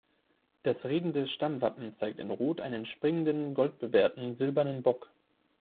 Das redende Stammwappen zeigt in Rot einen springenden, gold-bewehrten silbernen Bock.